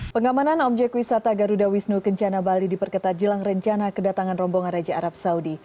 pengamanan objek wisata garuda wisnu kencana bali diperketat jelang rencana kedatangan rombongan raja arab saudi